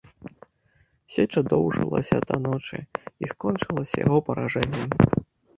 Сеча доўжылася да ночы і скончылася яго паражэннем.